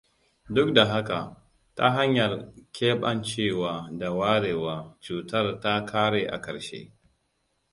Duk da haka, ta hanyar keɓancewa da warewa, cutar ta ƙare a ƙarshe.